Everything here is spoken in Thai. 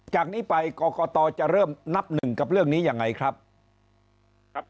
จากนี้ไปกรกตจะเริ่มนับหนึ่งกับเรื่องนี้ยังไงครับครับ